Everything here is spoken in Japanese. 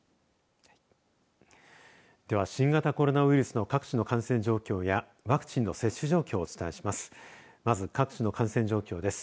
では、新型コロナウイルスの各地の感染状況やワクチンの接種状況をお伝えします。